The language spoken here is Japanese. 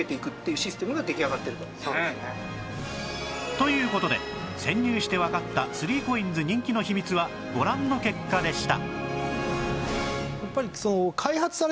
という事で潜入してわかった ３ＣＯＩＮＳ 人気の秘密はご覧の結果でした